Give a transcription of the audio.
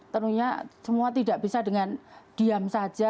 tentunya semua tidak bisa dengan diam saja